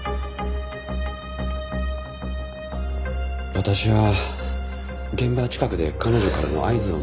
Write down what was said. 私は現場近くで彼女からの合図を待ってました。